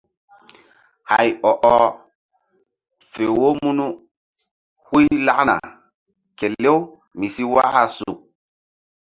Hay ɔ ɔh fe wo munu huy lakna kelew mi si waka suk.